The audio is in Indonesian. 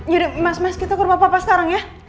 yaudah mas mas kita ke rumah papa sekarang ya